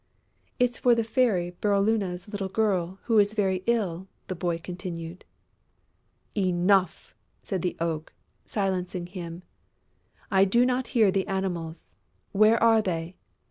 "It's for the Fairy Bérylune's little girl, who is very ill," the boy continued. "Enough!" said the Oak, silencing him. "I do not hear the Animals.... Where are they?...